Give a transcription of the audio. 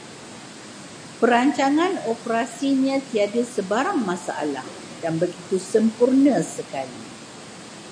Perancangan operasinya tiada sebarang masalah dan begitu sempurna sekali